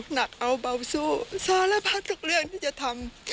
หนักเอาเบาสู้สารพัดทุกเรื่องที่จะทำ